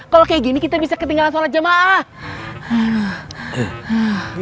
kalau kayak gini kita bisa ketinggalan sholat jemaah